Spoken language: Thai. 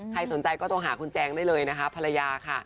สนใจก็โทรหาคุณแจงได้เลยนะคะภรรยาค่ะ